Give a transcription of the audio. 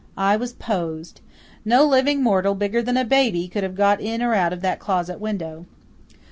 I was posed. No living mortal bigger than a baby could have got in or out of that closet window.